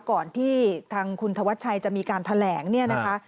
ก่อนที่ทางคุณธวัชชัยจะมีการแถลงเนี่ยนะคะ